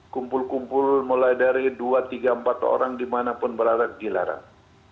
kumpul kumpul mulai dari dua tiga empat orang di mana pun berlarang dilarang